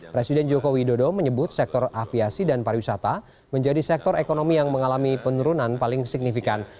presiden joko widodo menyebut sektor aviasi dan pariwisata menjadi sektor ekonomi yang mengalami penurunan paling signifikan